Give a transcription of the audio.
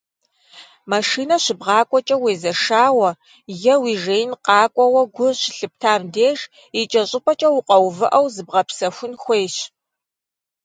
Машинэ щыбгъакӏуэкӏэ, уезэшауэ е уи жеин къэкӏуауэ гу щылъыптам деж, икӏэщӏыпӏэкӏэ укъэувыӏэу, зыбгъэпсэхун хуейщ.